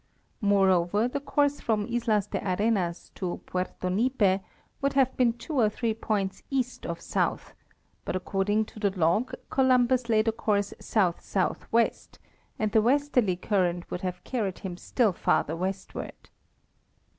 Moreover, the course from Islas de Arenas to Puerto Nipe would have been two or three points east of south, but according to the log Columbus lay the course south southwest, and the westerly current would have carried him still farther westward.